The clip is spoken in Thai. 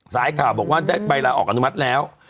สายข่าวบอกว่าได้ใบลาออกอนุมัติแล้ว